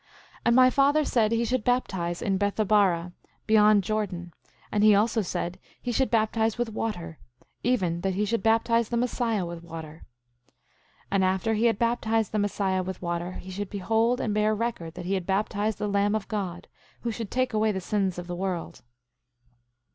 10:9 And my father said he should baptize in Bethabara, beyond Jordan; and he also said he should baptize with water; even that he should baptize the Messiah with water. 10:10 And after he had baptized the Messiah with water, he should behold and bear record that he had baptized the Lamb of God, who should take away the sins of the world.